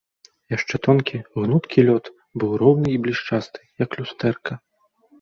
Яшчэ тонкі, гнуткі лёд быў роўны і блішчасты, як люстэрка.